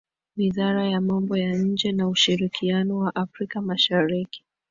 Wizara ya Mambo ya nje na ushirikiano wa Afrika Mashariki